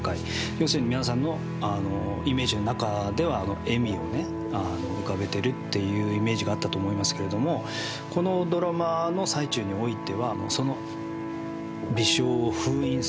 要するに皆さんのイメージの中では笑みを浮かべてるっていうイメージがあったと思いますけれどもこのドラマの最中においてはその微笑を封印する。